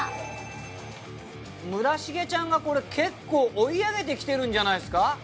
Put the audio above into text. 村重ちゃんが結構追い上げてきてるんじゃないですか？